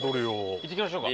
行ってきましょうか。